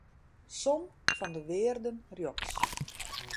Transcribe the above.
Som fan de wearden rjochts.